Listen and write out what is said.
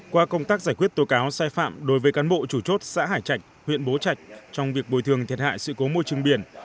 qua công tác giải quyết tố cáo sai phạm đối với cán bộ chủ chốt xã hải trạch huyện bố trạch trong việc bồi thường thiệt hại sự cố môi trường biển